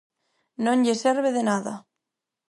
Non lle serve de nada.